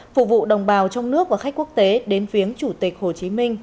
phục vụ đồng bào trong nước và khách quốc tế đến viếng chủ tịch hồ chí minh